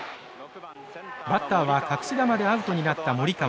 バッターは隠し球でアウトになった森川。